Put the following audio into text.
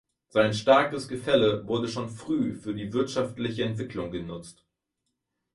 Sein starkes Gefälle wurde schon früh für die wirtschaftliche Entwicklung genutzt.